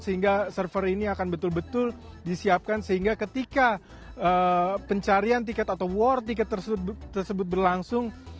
sehingga server ini akan betul betul disiapkan sehingga ketika pencarian tiket atau war tiket tersebut berlangsung